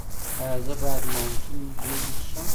ایا زه باید ماونټین ډیو وڅښم؟